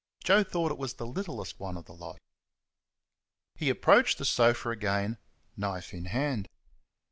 Joe thought it was the littlest one of the lot. He approached the sofa again, knife in hand.